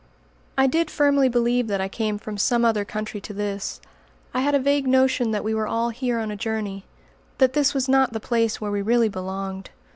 I did firmly believe that I came from some other country to this; I had a vague notion that we were all here on a journey, that this was not the place where we really belonged.